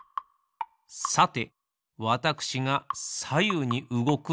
さてわたくしがさゆうにうごくこのはこ。